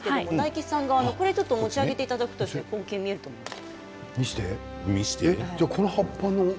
大吉さん側にあるものを持ち上げていただくと根茎が見えると思います。